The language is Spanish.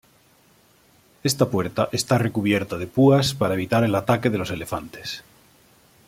Esta puerta está recubierta de púas para evitar el ataque de los elefantes.